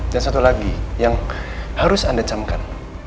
dan satu lagi yang harus anda camkan